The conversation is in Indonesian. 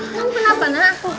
emang kenapa ngerangku